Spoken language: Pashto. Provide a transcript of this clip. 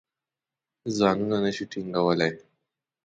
ځانونه نه شي ټینګولای.